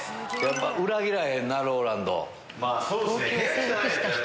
裏切らへんなＲＯＬＡＮＤ。